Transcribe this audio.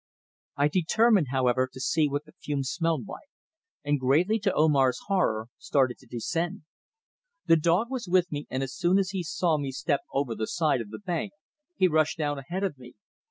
I determined, however, to see what the fumes smelled like, and, greatly to Omar's horror, started to descend. The dog was with me, and as soon as he saw me step over the side of the bank he rushed down ahead of me.